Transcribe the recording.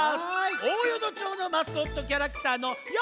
大淀町のマスコットキャラクターのよ